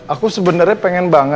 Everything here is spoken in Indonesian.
aku sebenernya pengen banget